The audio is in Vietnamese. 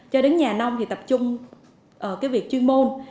cho đến nhà nông thì tập trung cái việc chuyên môn